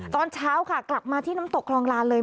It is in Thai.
ตอนเช้าค่ะกลับมาที่น้ำตกคลองลานเลย